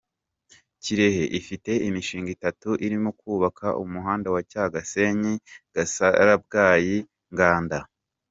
Kirehe ifite imishinga itatu irimo kubaka umuhanda wa Cyagasenyi-Gasarabwayi-Nganda